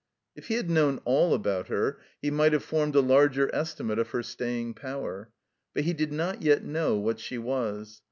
If he had known all about her he might have formed a larger estimate of her staying power. But he did not yet know what she was.